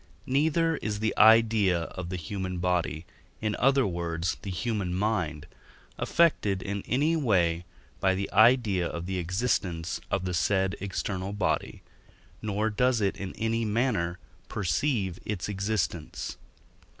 neither is the idea of the human body, in other words, the human mind, affected in any way by the idea of the existence of the said external body, nor does it in any manner perceive its existence.